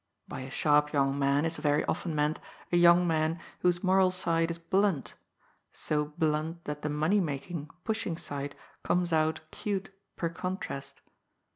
By a sharp young man is very often meant a young man whose moral side is blunt, so blunt that the money making, pushing side comes out cute per contrast.